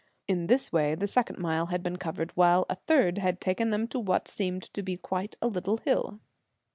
In this way the second mile had been covered, while a third had taken them to what seemed to be quite a little hill.